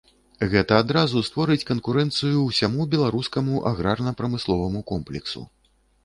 Гэта адразу створыць канкурэнцыю ўсяму беларускаму аграрна-прамысловаму комплексу.